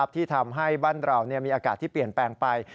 ที่ทำให้บ้านเรามีอากาศที่เปลี่ยนแปลงไป